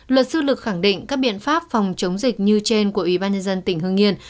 luật sư lực khẳng định các biện pháp phòng chống dịch như trên của ubnd tỉnh hưng yên